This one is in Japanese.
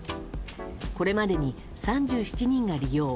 これまでに３７人が利用。